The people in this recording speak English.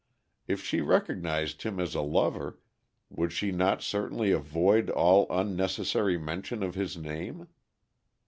If she recognized him as a lover, would she not certainly avoid all unnecessary mention of his name?